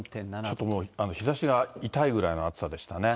ちょっともう日ざしが痛いぐらいの暑さでしたね。